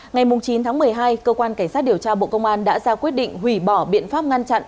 ngày chín tháng một mươi hai cơ quan cảnh sát điều tra bộ công an đã ra quyết định hủy bỏ biện pháp ngăn chặn